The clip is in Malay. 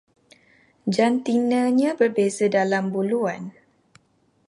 Jantinanya berbeza dalam buluan